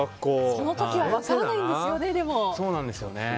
その時は分からないんですよね。